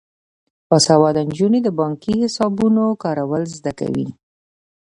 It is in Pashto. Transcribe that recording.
باسواده نجونې د بانکي حسابونو کارول زده کوي.